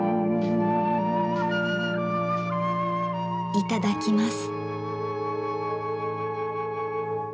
いただきます。